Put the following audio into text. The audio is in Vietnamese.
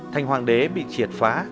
thành hoàng đế bị triệt phá